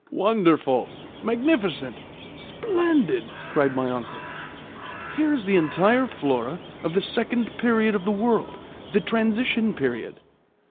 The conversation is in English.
"Wonderful, magnificent, splendid!" cried my uncle. "Here is the entire flora of the second period of the world the transition period.